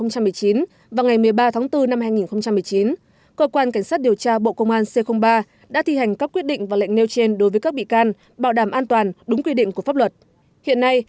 cơ quan cảnh sát điều tra bộ công an c ba đã thi hành các quyết định và lệnh nêu trên đối với các bị can bảo đảm an toàn đúng quy định của pháp luật